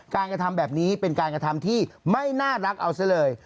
กระทำแบบนี้เป็นการกระทำที่ไม่น่ารักเอาซะเลย